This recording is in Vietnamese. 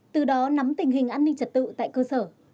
từ đó nắm tình hình an ninh trật tự tại cơ sở